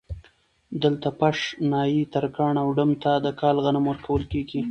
دلته پش ، نايي ، ترکاڼ او ډم ته د کال غنم ورکول کېږي